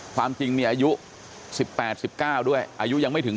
ความจริงมีอายุ๑๘๑๙ด้วยอายุยังไม่ถึง